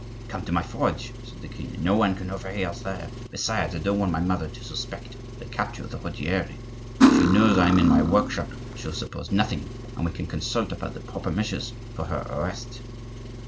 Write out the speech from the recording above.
"Come to my forge," said the king, "no one can overhear us there; besides, I don't want my mother to suspect the capture of the Ruggieri. If she knows I am in my work shop she'll suppose nothing, and we can consult about the proper measures for her arrest."